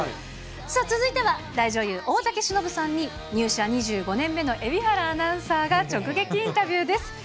続いては大女優、大竹しのぶさんに入社２５年目の蛯原アナウンサーが直撃インタビューです。